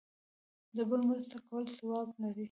د بل مرسته کول ثواب لري